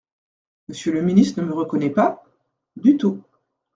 Monsieur le ministre ne me reconnaît pas ? Du tout.